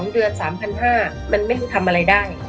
เดือน๓๕๐๐บาทมันไม่รู้ทำอะไรได้